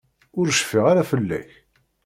Ur cfiɣ ara fell-ak.